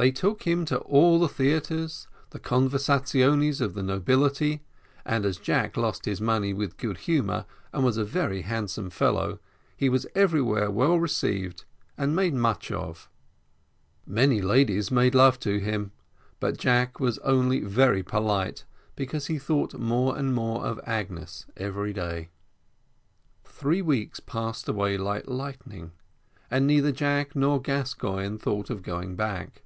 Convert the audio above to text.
They took him to all the theatres, the conversaziones of all the nobility, and, as Jack lost his money with good humour, and was a very handsome fellow, he was everywhere well received and was made much of: many ladies made love to him, but Jack was only very polite, because he thought more and more of Agnes every day. Three weeks passed away like lightning, and neither Jack nor Gascoigne thought of going back.